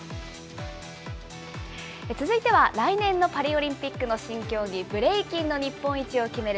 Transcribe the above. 続いては、来年のパリオリンピックの新競技、ブレイキンの日本一を決める